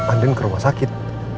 andin ke rumah sakit